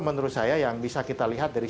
menurut saya yang bisa kita lihat dari